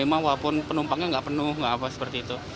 walaupun penumpangnya gak penuh gak apa apa seperti itu